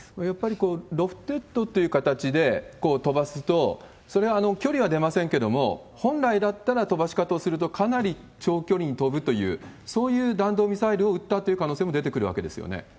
やっぱりロフテッドという形で飛ばすと、それ、距離は出ませんけれども、本来だったら飛ばし方をすると、かなり長距離に飛ぶという、そういう弾道ミサイルを撃ったという可能性も出てくるわけですよ